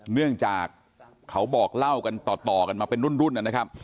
เนื่องจากเขาบอกเล่ากันต่อกันมาเป็นรุ่นนะครับ